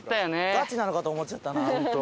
ガチなのかと思っちゃったな本当。